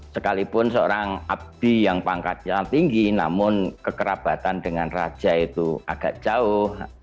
sekalipun seorang abdi yang pangkatnya tinggi namun kekerabatan dengan raja itu agak jauh